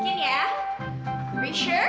tahan ya tarik nafas lagi